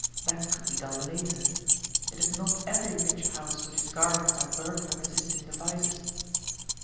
That could be done later. It is not every rich house which is guarded by burglar resisting devices.